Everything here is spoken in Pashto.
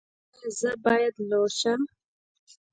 ایا زه باید لور شم؟